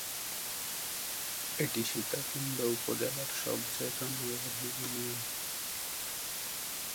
এটি সীতাকুণ্ড উপজেলার সবচেয়ে জনবহুল ইউনিয়ন।